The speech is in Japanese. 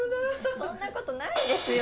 ・・そんなことないですよ・